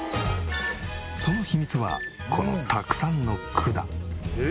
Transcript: その秘密はこのたくさんの管。